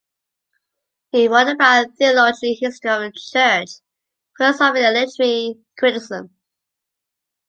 He wrote about theology, history of the Church, philosophy and literary criticism.